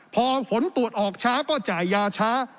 พอผลตรวจออกช้าก็จ่ายยาช้า